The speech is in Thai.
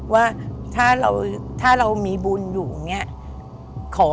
ว่าถ้าเรามีบุญรู้แล้ว